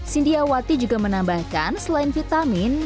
sindiawati juga menambahkan selain vitamin